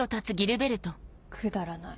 くだらない。